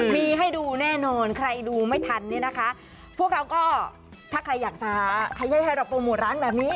มีให้ดูแน่นอนใครดูไม่ทันเนี่ยนะคะพวกเราก็ถ้าใครอยากจะให้เราโปรโมทร้านแบบนี้